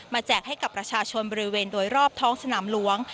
แจกให้กับประชาชนบริเวณโดยรอบท้องสนามหลวง